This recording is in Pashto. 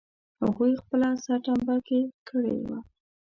هغوی خپله سرټمبه ګي کړې وه.